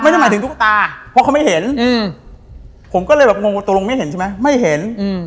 ไม่ได้หมายถึงตุ๊กตาเพราะเขาไม่เห็นผมก็เลยแบบงงตัวลงไม่เห็นใช่ไหมไม่เห็น